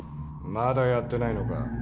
まだやってないのか？